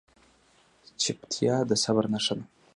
چپتیا، د صبر نښه ده.